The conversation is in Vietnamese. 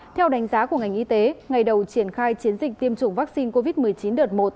theo đánh giá của ngành y tế ngày đầu triển khai chiến dịch tiêm chủng vaccine covid một mươi chín đợt một